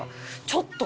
ちょっと